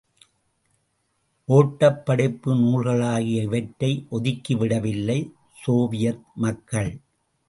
ஒட்டப் படிப்பு நூல்களாகிய இவற்றை ஒதுக்கிவிடவில்லை சோவியத் மக்கள்.